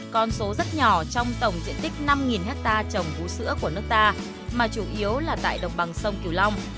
con số rất nhỏ trong tổng diện tích năm hectare trồng vũ sữa của nước ta mà chủ yếu là tại đồng bằng sông kiều long